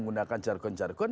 yang tidak akan jargon jargon